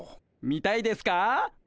見たいですか？